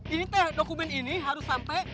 ini teh dokumen ini harus sampai